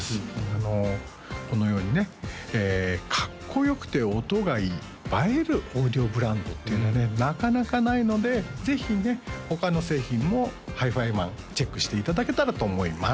あのこのようにねかっこよくて音がいい映えるオーディオブランドっていうのはねなかなかないのでぜひね他の製品もＨＩＦＩＭＡＮチェックしていただけたらと思います